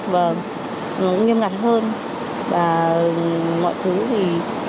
và nó nghiêm ngặt hơn và mọi thứ thì